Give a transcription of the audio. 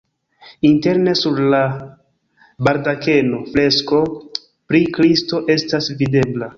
Interne sur la baldakeno fresko pri Kristo estas videbla.